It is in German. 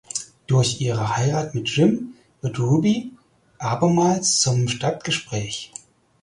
Durch ihre Heirat mit Jim wird Ruby abermals zum Stadtgespräch.